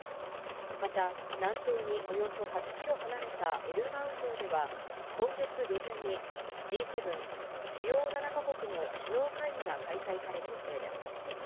また、南東におよそ８キロ離れたエルマウ城では、今月下旬に、Ｇ７・主要７か国の首脳会議が開催される予定です。